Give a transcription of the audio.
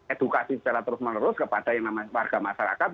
edukasi secara terus menerus kepada yang namanya warga masyarakat